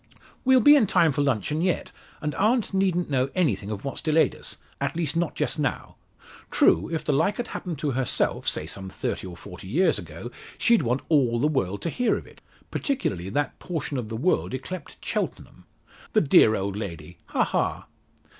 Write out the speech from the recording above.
"We'll be in time for luncheon yet, and aunt needn't know anything of what's delayed us at least, not just now. True, if the like had happened to herself say some thirty or forty years ago she'd want all the world to hear of it, particularly that portion of the world yclept Cheltenham. The dear old lady! Ha, ha!"